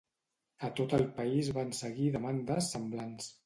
A tot el país van seguir demandes semblants.